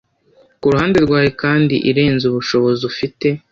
Kuruhande rwawe kandi irenze ubushobozi ufite